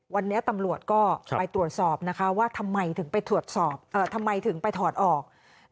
วันนี้ตำรวจก็ไปตรวจสอบว่าทำไมถึงไปถอดออก